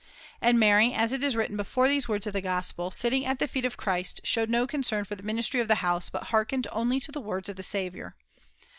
And Mary, as is written before these words of the Gospel, sitting at the feet of Christ, showed no concern for the ministry of the house, but hearkened only to the words of the Saviour.